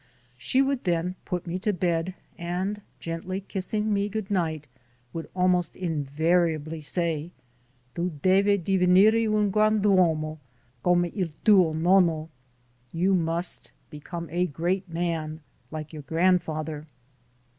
She would then put me to bed and, gently kissing me goodnight, would almost invariably say: "Tu devi divenire un grand'uomo, come il tuo nonno" "You must become a great man, like your grandfather."